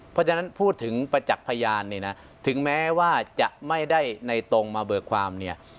เพราะฉะนั้นพูดถึงประจักษ์พยานเนี่ยนะถึงแม้ว่าจะไม่ได้ในตรงมาเบิกความเนี่ย